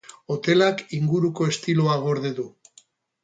Hotelak inguruko estiloa gorde du.